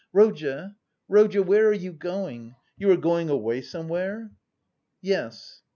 Rodya, Rodya, where are you going? You are going away somewhere?" "Yes."